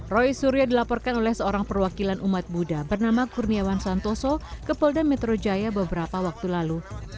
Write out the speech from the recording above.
roy suryo dilaporkan oleh seorang perwakilan umat buddha bernama kurniawan santoso ke polda metro jaya beberapa waktu lalu